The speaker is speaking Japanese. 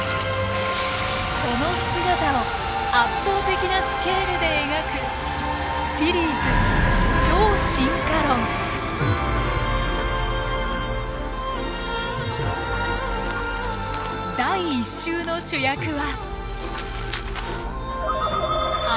その姿を圧倒的なスケールで描くシリーズ「第１集」の主役は。